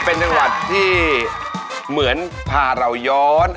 เป็นจังหวัดที่เหมือนพาเราย้อน